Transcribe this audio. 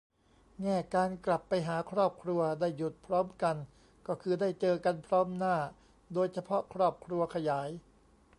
แง่การกลับไปหาครอบครัว ได้หยุดพร้อมกันก็คือได้เจอกันพร้อมหน้า โดยเฉพาะครอบครัวขยาย